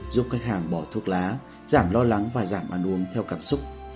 giúp khách hàng bỏ thuốc lá giảm lo lắng và giảm bán uống theo cảm xúc